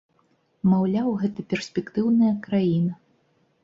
Маўляў, гэта перспектыўная краіна.